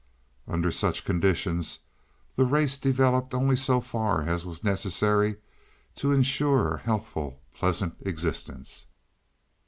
"Under such conditions the race developed only so far as was necessary to ensure a healthful pleasant existence.